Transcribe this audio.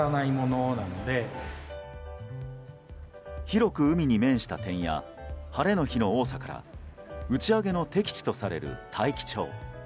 広く海に面した点や晴れの日の多さから打ち上げの適地とされる大樹町。